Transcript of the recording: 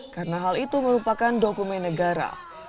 karena hal itu merupakan dokumen negara